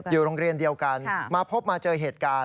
อยู่โรงเรียนเดียวกันมาพบมาเจอเหตุการณ์